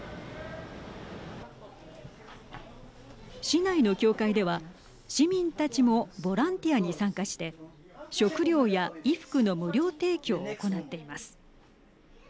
市内の教会では市民たちもボランティアに参加して食料や衣服の無料提供を行っています。